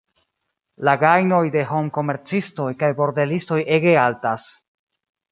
La gajnoj de homkomercistoj kaj bordelistoj ege altas.